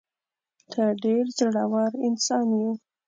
ته ډېر زړه ور انسان یې.